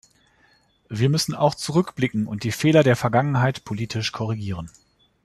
Wir müssen auch zurückblicken und die Fehler der Vergangenheit politisch korrigieren.